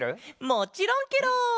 もちろんケロ！